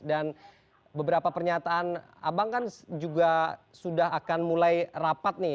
dan beberapa pernyataan abang kan juga sudah akan mulai rapat nih